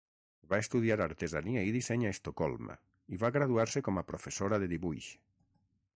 Va estudiar artesania i disseny a Estocolm, i va graduar-se com a professora de dibuix.